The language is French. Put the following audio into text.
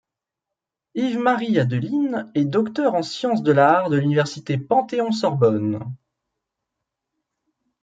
Yves-Marie Adeline est docteur en Sciences de l'Art de l’université Panthéon-Sorbonne.